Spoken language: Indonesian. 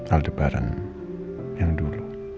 aldebaran yang dulu